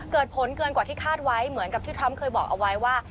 เกิดผลเกินกว่าที่คาดไว้เหมือนกับที่ทรัมป์เคยบอกเอาไว้ว่า